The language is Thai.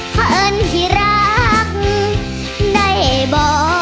เพราะเอิญที่รักได้บ่